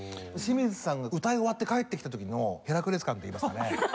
清水さんが歌い終わって帰ってきた時のヘラクレス感といいますかね